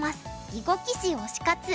囲碁棋士推し活」。